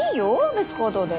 別行動で。